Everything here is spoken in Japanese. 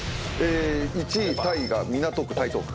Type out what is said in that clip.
１位タイが港区台東区。